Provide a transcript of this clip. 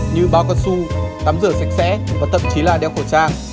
như bao cao su tắm rửa sạch sẽ và thậm chí là đeo khẩu trang